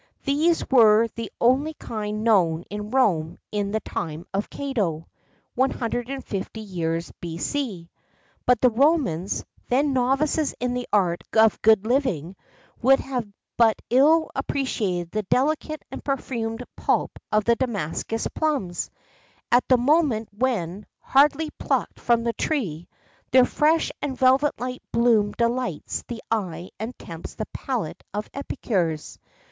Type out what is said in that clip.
[XII 73] These were the only kind known in Rome in the time of Cato (150 years B.C.), but the Romans, then novices in the art of good living, would have but ill appreciated the delicate and perfumed pulp of Damascus plums, at the moment when, hardly plucked from the tree, their fresh and velvet like bloom delights the eye and tempts the palate of epicures.